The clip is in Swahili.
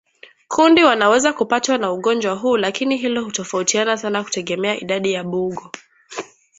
kundi wanaweza kupatwa na ugonjwa huu lakini hilo hutofautiana sana kutegemea idadi ya mbungo